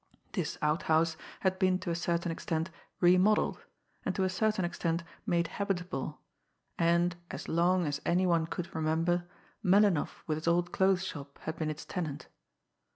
This outhouse had been to a certain extent remodelled, and to a certain extent made habitable, and as long as any one could remember Melinoff with his old clothes shop had been its tenant.